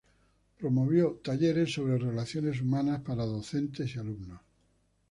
Promovió talleres sobre relaciones humanas para docentes y alumnos.